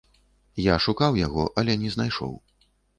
Я шукаў яго, але не знайшоў.